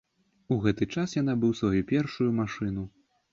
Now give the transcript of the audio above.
У гэты час я набыў сваю першую машыну.